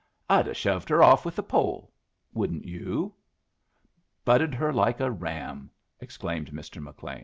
I'd 'a' shoved her off with a pole. Wouldn't you?" "Butted her like a ram," exclaimed Mr. McLean.